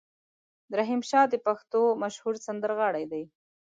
رحیم شا د پښتو مشهور سندرغاړی دی.